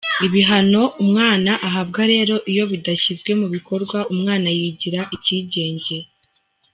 Ibihano umwana ahabwa rero iyo bidashyizwe mu bikorwa umwana yigira ikigenge.